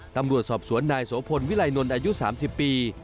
ตำรวจสอบสวนนายโสพลวิไลนนท์อายุ๓๐ปี